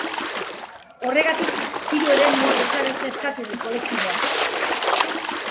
Horregatik, tiro eremua desagertzea eskatu du kolektiboak.